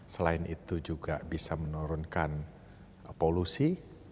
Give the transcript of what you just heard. selain itu juga bisa menurunkan polusi